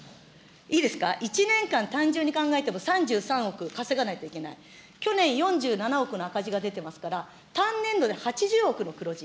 いいですか、１年間単純に考えても３３億稼がないといけない、去年４７億の赤字が出てますから、単年度で８０億の黒字。